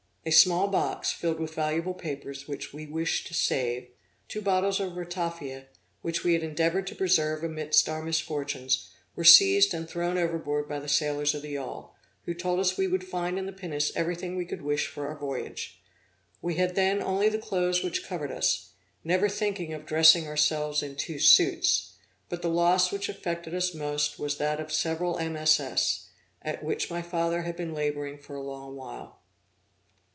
A small box filled with valuable papers, which we wished to save, some clothes, two bottles of ratafia, which we had endeavored to preserve amidst our misfortunes, were seized and thrown overboard by the sailors of the yawl, who told us we would find in the pinnace everything we could wish for our voyage. We had then only the clothes which covered us, never thinking of dressing ourselves in two suits; but the loss which affected us most was that of several MSS, at which my father had been laboring for a long while.